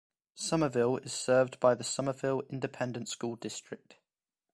Somerville is served by the Somerville Independent School District.